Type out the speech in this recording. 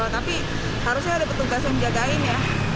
tapi harusnya ada petugas yang jagain ya